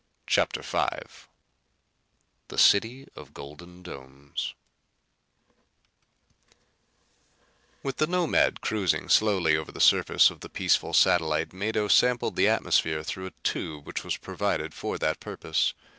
CHAPTER V The City of Golden Domes With the Nomad cruising slowly over the surface of the peaceful satellite, Mado sampled the atmosphere through a tube which was provided for that purpose.